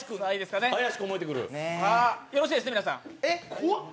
よろしいですね、皆さん。